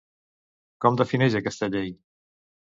Com defineix aquesta llei?